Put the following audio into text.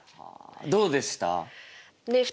どうでした？